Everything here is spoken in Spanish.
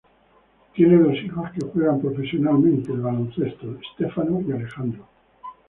Tiene dos hijos que juegan profesionalmente al baloncesto, Stefano y Alessandro.